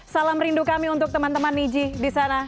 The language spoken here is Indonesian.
salam rindu kami untuk teman teman niji di sana